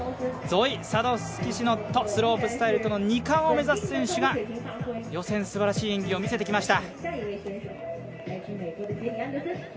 ゾイ・サドフスキ・シノットスロープスタイルとの２冠を目指す選手が予選、すばらしい演技を見せてきました。